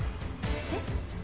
えっ？